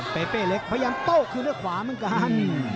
เปเป้เล็กพยายามโต้คืนด้วยขวาเหมือนกัน